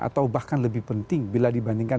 atau bahkan lebih penting bila dibandingkan